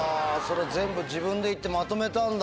全部自分で行ってまとめたんだ。